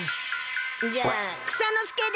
じゃあ草ノ助で！